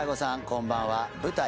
こんばんは舞台